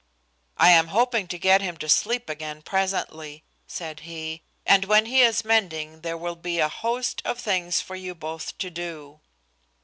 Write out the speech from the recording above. "I am hoping to get him to sleep again presently," said he. "And when he is mending there will be a host of things for you both to do."